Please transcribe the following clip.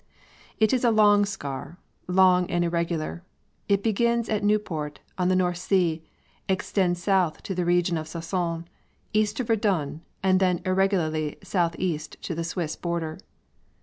It is a long scar long and irregular. It begins at Nieuport, on the North Sea, extends south to the region of Soissons, east to Verdun, and then irregularly southeast to the Swiss border.